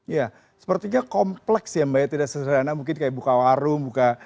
ya sepertinya kompleks ya mbak ya tidak sederhana mungkin kayak buka warung buka